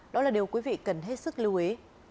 đó là điều quý vị cần hết sức lưu ý